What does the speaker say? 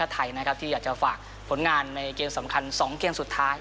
ขอนักภูมิบันธุ์จากไทยที่อยากฝากผลงานในเกมสำคัญ๒เกมสุดท้าย